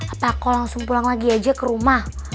atau aku langsung pulang lagi aja ke rumah